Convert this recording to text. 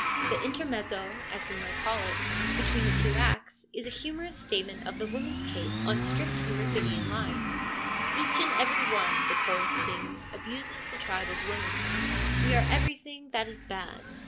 The intermezzo, as we might call it, between the two acts is a humorous statement of the women's case on strict Euripidean lines : Each and every one [the chorus sings] abuses the tribe of women : we are everything that is bad.